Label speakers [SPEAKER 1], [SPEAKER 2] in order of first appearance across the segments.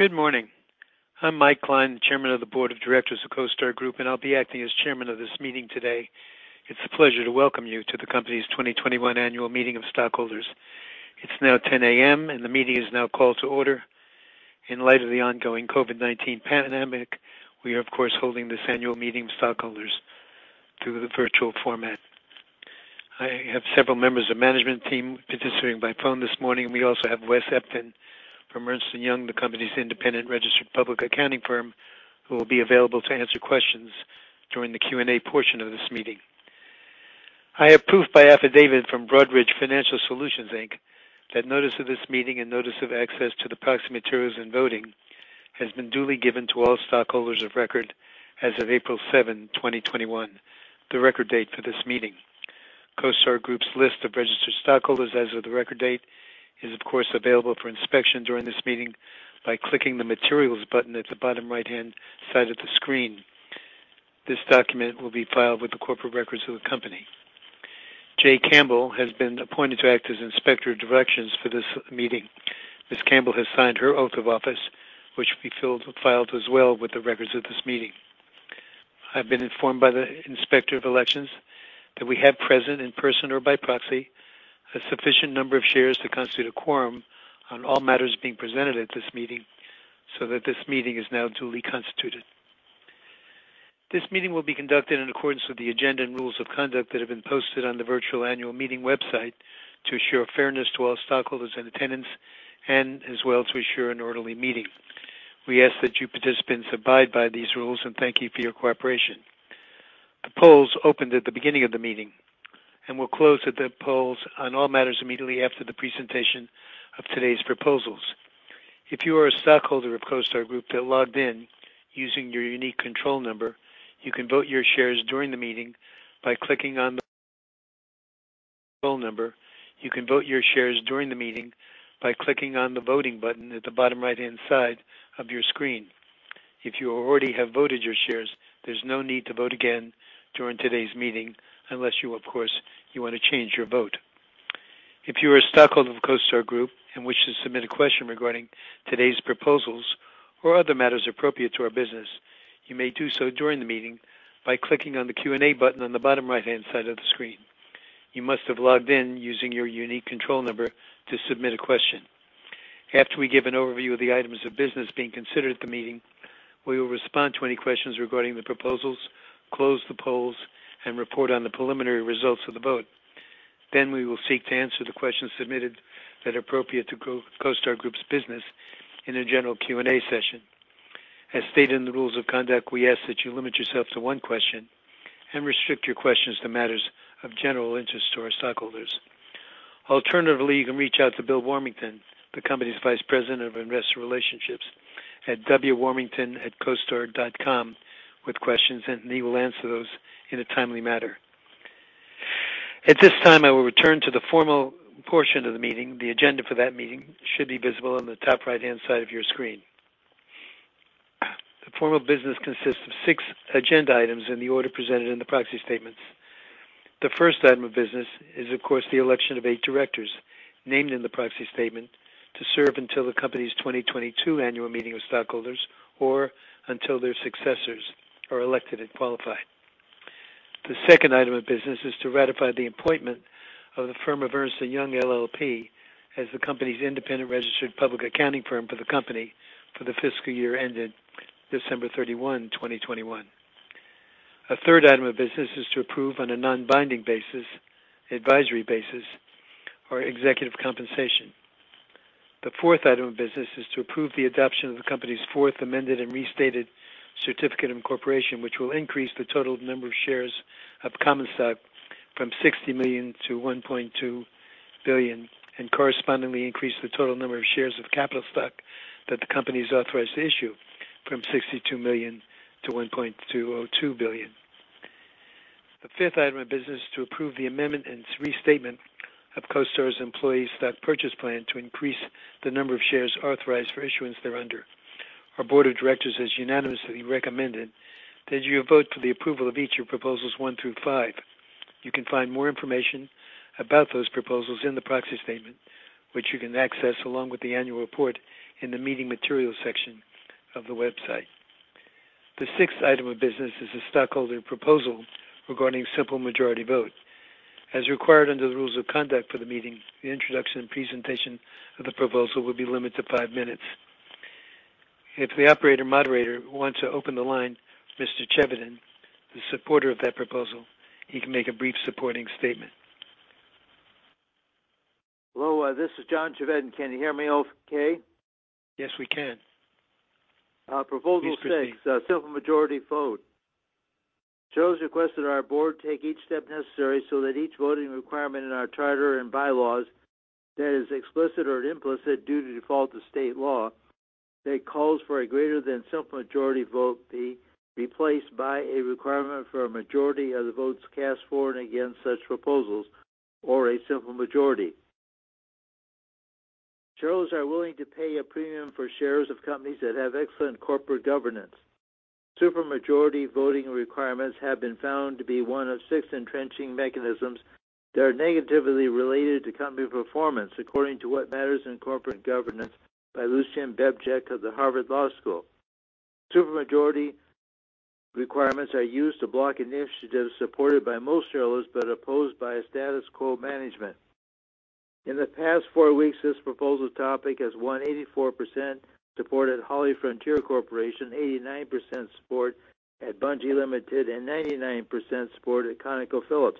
[SPEAKER 1] Good morning. I'm Mike Klein, Chairman of the Board of Directors of CoStar Group, and I'll be acting as chairman of this meeting today. It's a pleasure to welcome you to the company's 2021 annual meeting of stockholders. It's now 10:00 A.M. and the meeting is now called to order. In light of the ongoing COVID-19 pandemic, we are, of course, holding this annual meeting of stockholders through the virtual format. I have several members of management team participating by phone this morning. We also have Wes Epton from Ernst & Young, the company's independent registered public accounting firm, who will be available to answer questions during the Q&A portion of this meeting. I have proof by affidavit from Broadridge Financial Solutions, Inc. that notice of this meeting and notice of access to the proxy materials and voting has been duly given to all stockholders of record as of April 7, 2021, the record date for this meeting. CoStar Group's list of registered stockholders as of the record date is, of course, available for inspection during this meeting by clicking the Materials button at the bottom right-hand side of the screen. This document will be filed with the corporate records of the company. Jaye Campbell has been appointed to act as Inspector of Elections for this meeting. Ms. Campbell has signed her oath of office, which will be filed as well with the records of this meeting. I've been informed by the Inspector of Elections that we have present, in person or by proxy, a sufficient number of shares to constitute a quorum on all matters being presented at this meeting, so that this meeting is now duly constituted. This meeting will be conducted in accordance with the agenda and rules of conduct that have been posted on the virtual annual meeting website to assure fairness to all stockholders in attendance, and as well to assure an orderly meeting. We ask that you participants abide by these rules, and thank you for your cooperation. The polls opened at the beginning of the meeting and will close the polls on all matters immediately after the presentation of today's proposals. If you are a stockholder of CoStar Group that logged in using your unique control number, you can vote your shares during the meeting by clicking on the voting button at the bottom right-hand side of your screen. If you already have voted your shares, there's no need to vote again during today's meeting unless you, of course, want to change your vote. If you're a stockholder of CoStar Group and wish to submit a question regarding today's proposals or other matters appropriate to our business, you may do so during the meeting by clicking on the Q&A button on the bottom right-hand side of the screen. You must have logged in using your unique control number to submit a question. After we give an overview of the items of business being considered at the meeting, we will respond to any questions regarding the proposals, close the polls, and report on the preliminary results of the vote. We will seek to answer the questions submitted that are appropriate to CoStar Group's business in a general Q&A session. As stated in the rules of conduct, we ask that you limit yourself to one question and restrict your questions to matters of general interest to our stockholders. Alternatively, you can reach out to Bill Warmington, the company's Vice President of Investor Relations, at wwarmington@costar.com with questions, and he will answer those in a timely manner. At this time, I will return to the formal portion of the meeting. The agenda for that meeting should be visible on the top right-hand side of your screen. The formal business consists of six agenda items in the order presented in the proxy statements. The first item of business is, of course, the election of eight directors named in the proxy statement to serve until the company's 2022 annual meeting of stockholders, or until their successors are elected and qualify. The second item of business is to ratify the appointment of the firm of Ernst & Young LLP as the company's independent registered public accounting firm for the company for the fiscal year ending December 31, 2021. A third item of business is to approve, on a non-binding basis, advisory basis, our executive compensation. The fourth item of business is to approve the adoption of the company's Fourth Amended and Restated Certificate of Incorporation, which will increase the total number of shares of common stock from 60 million to 1.2 billion, and correspondingly increase the total number of shares of capital stock that the company is authorized to issue from 62 million to 1.202 billion. The fifth item of business is to approve the amendment and restatement of CoStar's Employee Stock Purchase Plan to increase the number of shares authorized for issuance thereunder. Our board of directors has unanimously recommended that you vote for the approval of each of Proposals 1 through 5. You can find more information about those proposals in the proxy statement, which you can access along with the annual report in the Meeting Materials section of the website. The sixth item of business is a stockholder proposal regarding simple majority vote. As required under the rules of conduct for the meeting, the introduction and presentation of the proposal will be limited to five minutes. If the operator moderator wants to open the line for Mr. Chevedden, the supporter of that proposal, he can make a brief supporting statement.
[SPEAKER 2] Hello, this is John Chevedden. Can you hear me okay?
[SPEAKER 1] Yes, we can.
[SPEAKER 2] Proposal 6, simple majority vote. Shares request that our board take each step necessary so that each voting requirement in our charter and bylaws that is explicit or implicit due to default to state law that calls for a greater than simple majority vote be replaced by a requirement for a majority of the votes cast for and against such proposals or a simple majority. Shares are willing to pay a premium for shares of companies that have excellent corporate governance. Super majority voting requirements have been found to be one of six entrenching mechanisms that are negatively related to company performance, according to "What Matters in Corporate Governance" by Lucian Bebchuk of the Harvard Law School. Super majority requirements are used to block initiatives supported by most shareholders but opposed by status quo management. In the past four weeks, this proposal topic has won 84% support at HollyFrontier Corporation, 89% support at Bunge Limited, and 99% support at ConocoPhillips.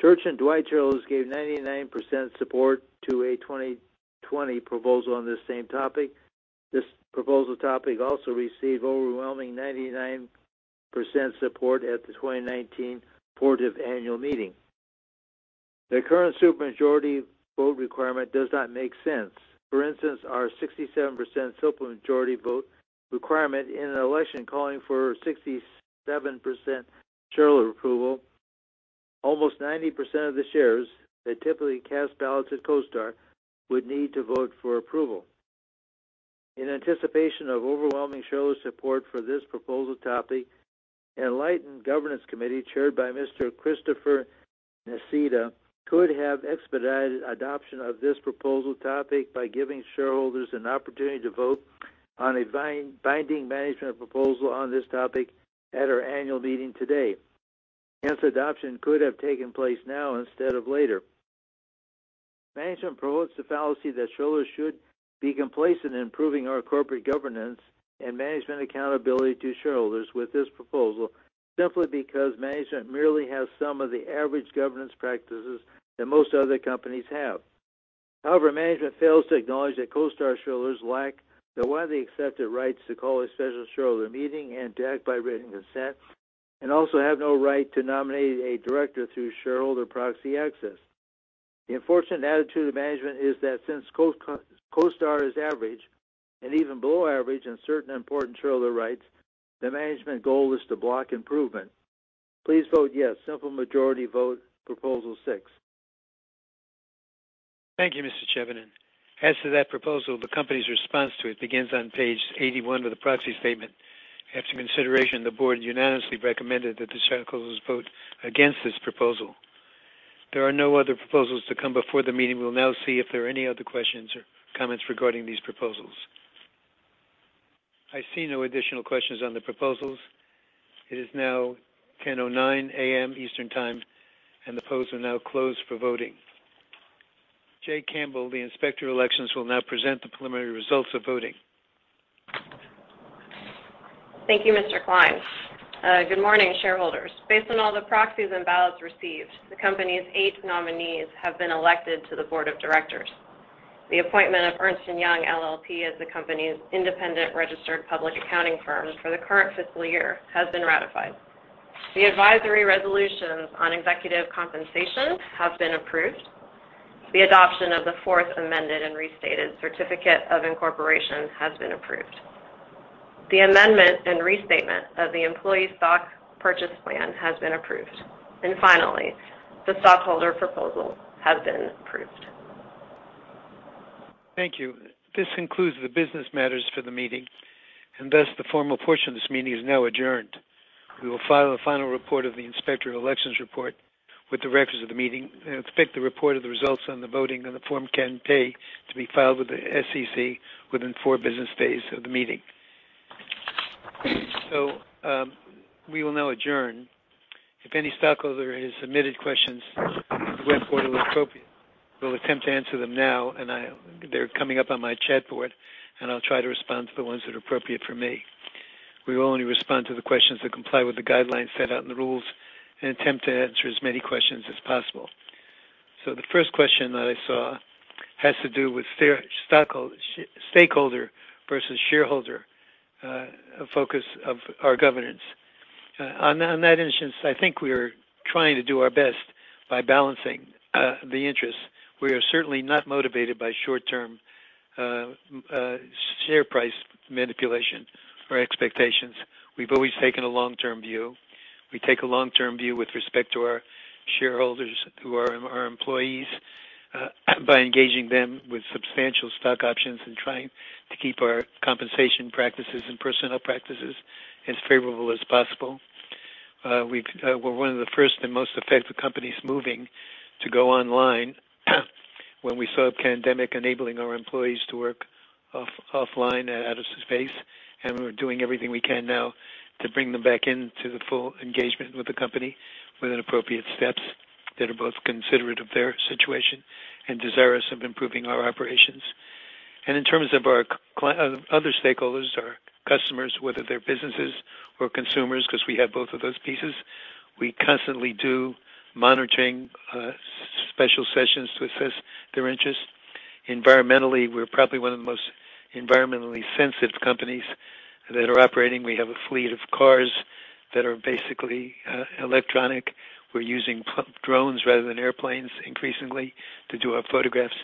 [SPEAKER 2] Church & Dwight shareholders gave 99% support to a 2020 proposal on this same topic. This proposal topic also received overwhelming 99% support at the 2019 Port of Annual Meeting. The current super majority vote requirement does not make sense. For instance, our 67% super majority vote requirement in an election calling for 67% shareholder approval, almost 90% of the shares that typically cast ballots at CoStar would need to vote for approval. In anticipation of overwhelming shareholder support for this proposal topic, an enlightened governance committee chaired by Mr. Christopher Nassetta could have expedited adoption of this proposal topic by giving shareholders an opportunity to vote on a binding management proposal on this topic at our annual meeting today. Hence, adoption could have taken place now instead of later. Management promotes the fallacy that shareholders should be complacent in improving our corporate governance and management accountability to shareholders with this proposal simply because management merely has some of the average governance practices that most other companies have. However, management fails to acknowledge that CoStar shareholders lack the widely accepted rights to call a special shareholder meeting and to act by written consent, and also have no right to nominate a director through shareholder proxy access. The unfortunate attitude of management is that since CoStar is average and even below average on certain important shareholder rights, the management goal is to block improvement. Please vote yes. Simple majority vote, proposal six.
[SPEAKER 1] Thank you, Mr. Chevedden. As to that proposal, the company's response to it begins on page 81 of the proxy statement. After consideration, the board unanimously recommended that the shareholders vote against this proposal. There are no other proposals to come before the meeting. We'll now see if there are any other questions or comments regarding these proposals. I see no additional questions on the proposals. It is now 10:09 A.M. Eastern Time, and the polls are now closed for voting. Jaye Campbell, the Inspector of Elections, will now present the preliminary results of voting.
[SPEAKER 3] Thank you, Mr. Klein. Good morning, shareholders. Based on all the proxies and ballots received, the company's eight nominees have been elected to the board of directors. The appointment of Ernst & Young LLP as the company's independent registered public accounting firm for the current fiscal year has been ratified. The advisory resolutions on executive compensation have been approved. The adoption of the Fourth Amended and Restated Certificate of Incorporation has been approved. The amendment and restatement of the Employee Stock Purchase Plan has been approved. Finally, the stockholder proposal has been approved.
[SPEAKER 1] Thank you. This concludes the business matters for the meeting, and thus the formal portion of this meeting is now adjourned. We will file a final report of the Inspector of Elections report with the directors of the meeting and expect the report of the results on the voting on the Form 8-K to be filed with the SEC within four business days of the meeting. We will now adjourn. If any stockholder has submitted questions that the Board feels are appropriate, we'll attempt to answer them now, and they're coming up on my chat board, and I'll try to respond to the ones that are appropriate for me. We will only respond to the questions that comply with the guidelines set out in the rules and attempt to answer as many questions as possible. The first question that I saw has to do with stakeholder versus shareholder focus of our governance. On that instance, I think we are trying to do our best by balancing the interests. We are certainly not motivated by short-term share price manipulation or expectations. We've always taken a long-term view. We take a long-term view with respect to our shareholders who are our employees by engaging them with substantial stock options and trying to keep our compensation practices and personnel practices as favorable as possible. We're one of the first and most effective companies moving to go online when we saw a pandemic enabling our employees to work offline and out of space, and we're doing everything we can now to bring them back into the full engagement with the company with appropriate steps that are both considerate of their situation and desirous of improving our operations. In terms of our other stakeholders, our customers, whether they're businesses or consumers, because we have both of those pieces, we constantly do monitoring special sessions to assess their interests. Environmentally, we're probably one of the most environmentally sensitive companies that are operating. We have a fleet of cars that are basically electronic. We're using drones rather than airplanes increasingly to do our photographs.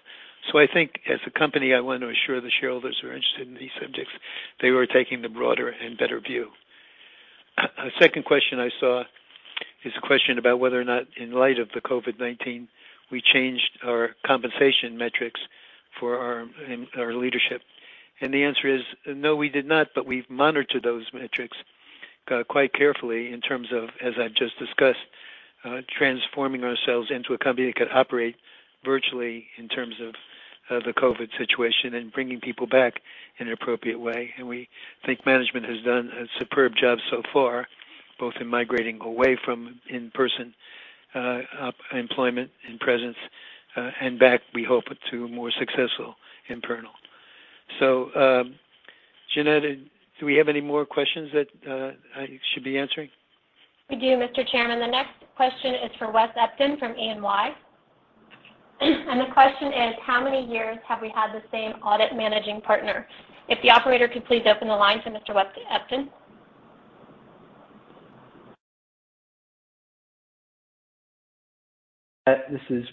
[SPEAKER 1] I think as a company, I want to assure the shareholders who are interested in these subjects that we're taking the broader and better view. A second question I saw is a question about whether or not in light of the COVID-19, we changed our compensation metrics for our leadership. The answer is no, we did not, but we've monitored those metrics quite carefully in terms of, as I just discussed, transforming ourselves into a company that could operate virtually in terms of the COVID situation and bringing people back in an appropriate way. We think management has done a superb job so far, both in migrating away from in-person employment and presence and back, we hope, to a more successful internal. Jeannette, do we have any more questions that I should be answering?
[SPEAKER 4] We do, Mr. Chairman. The next question is for Wes Epton from E&Y. The question is: how many years have we had the same audit managing partner? If the operator could please open the line for Mr. Wes Epton.
[SPEAKER 5] Hi, Jeannette, this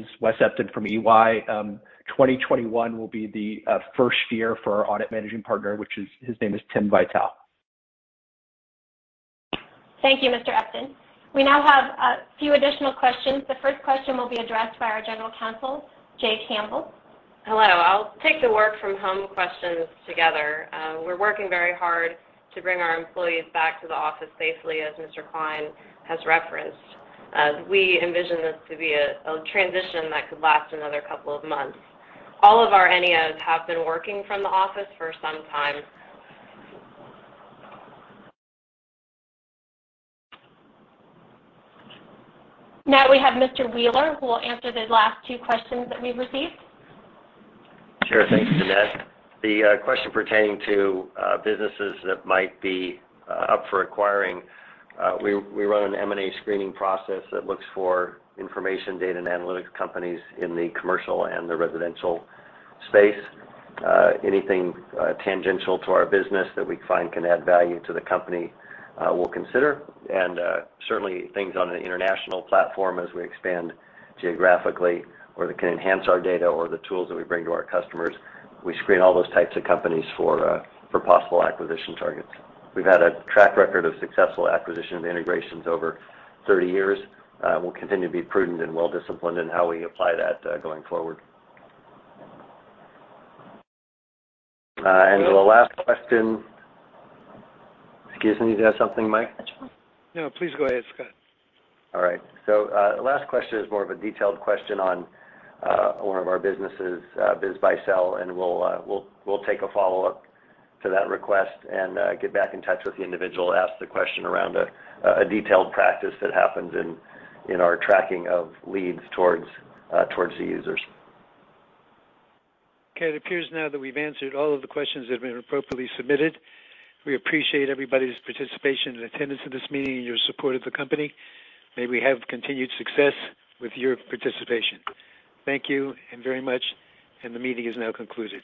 [SPEAKER 5] is Wes Epton from EY. 2021 will be the first year for our audit managing partner, his name is Tim Vitale.
[SPEAKER 4] Thank you, Mr. Epton. We now have a few additional questions. The first question will be addressed by our General Counsel, Jaye Campbell.
[SPEAKER 3] Hello. I'll take the work from home questions together. We're working very hard to bring our employees back to the office safely, as Mr. Klein has referenced. We envision this to be a transition that could last another couple of months. All of our NEOs have been working from the office for some time.
[SPEAKER 4] Now we have Mr. Wheeler, who will answer the last two questions that we received.
[SPEAKER 6] Sure. Thanks, Jeannette. The question pertaining to businesses that might be up for acquiring. We run an M&A screening process that looks for information, data, and analytics companies in the commercial and the residential space. Anything tangential to our business that we find can add value to the company, we'll consider. Certainly things on an international platform as we expand geographically or that can enhance our data or the tools that we bring to our customers. We screen all those types of companies for possible acquisition targets. We've had a track record of successful acquisition integrations over 30 years. We'll continue to be prudent and well-disciplined in how we apply that going forward. The last question. Excuse me, do you have something, Mike?
[SPEAKER 1] No, please go ahead, Scott.
[SPEAKER 6] All right. The last question is more of a detailed question on one of our businesses, BizBuySell, and we'll take a follow-up to that request and get back in touch with the individual who asked the question around a detailed practice that happens in our tracking of leads towards the users.
[SPEAKER 1] Okay. It appears now that we've answered all of the questions that have been appropriately submitted. We appreciate everybody's participation and attendance of this meeting and your support of the company. May we have continued success with your participation. Thank you very much, and the meeting is now concluded.